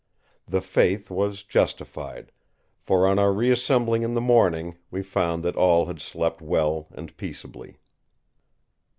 The faith was justified, for on our re assembling in the morning we found that all had slept well and peaceably.